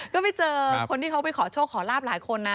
ก็ไปเจอคนที่เขาไปขอโชคขอลาบหลายคนนะ